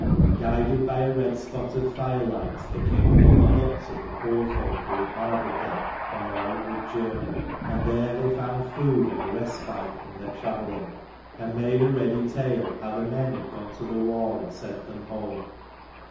Guided by a red spot of firelight they came upon the huts of the poor folk who had harboured them on their outward journey: and there they found food and a respite from their travelling ; and made a ready tale how the men had gone to the war and sent them home.